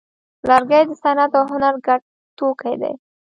لرګی د صنعت او هنر ګډ توکی دی.